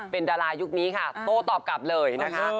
เป็นดารายุคนี้ค่ะโต้ตอบกลับเลยนะคะ